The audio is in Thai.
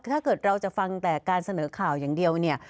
ถ้าเกิดเราจะฟังแต่การเสนอข่าวอย่างเดียวเนี่ย